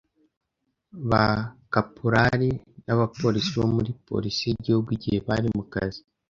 Ba kaporari n’abapolisi bo muri Polisi y'Igihugu igihe bari mu kazi